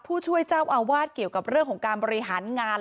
ผู้ช่วยเจ้าอาวาสเกี่ยวกับเรื่องของการบริหารงาน